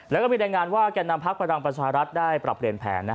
แล้วก็มีแรงงานว่าแก่นำพักษ์ประดังประชารัฐได้ปรับเรนแผน